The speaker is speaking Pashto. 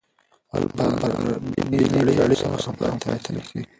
خپلې باربېنې تړي او سفر هم پاى ته رسي.